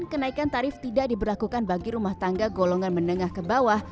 kenaikan tarif tidak diberlakukan bagi rumah tangga golongan menengah ke bawah